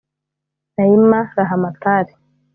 Naima Rahamatali